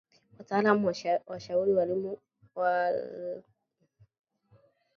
Wataalam wanashauri kulima kwenye maeneo ya tambarare